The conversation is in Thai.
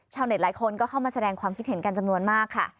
หลายคนก็เข้ามาแสดงความคิดเห็นกันจำนวนมากค่ะ